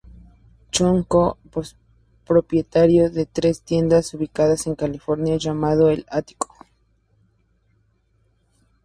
Chon co-propietario de tres tiendas ubicadas en California llamado el ático.